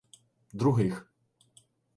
Других